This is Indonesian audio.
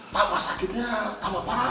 tambah sakitnya tambah parah